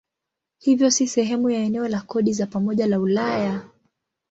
Hivyo si sehemu ya eneo la kodi za pamoja la Ulaya.